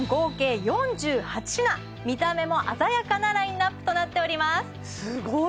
見た目も鮮やかなラインナップとなっておりますすごい！